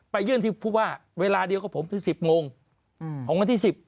ยื่นที่ผู้ว่าเวลาเดียวกับผมคือ๑๐โมงของวันที่๑๐